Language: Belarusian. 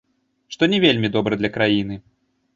Што не вельмі добра для краіны.